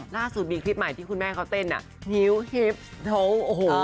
ล่าสุดมีคลิปใหม่ที่คุณแม่เขาเต้นอ่ะฮิ้วฮิปโทโอ้โห